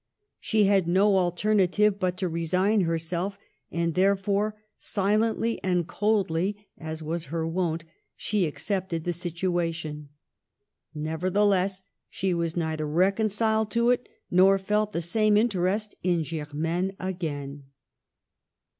She had no alternative but to resign her self, and therefore, silently and coldly, as was her wont, she accepted the situation. Nevertheless^ she was neither reconciled to it, nor felt the same interest in Germaine again.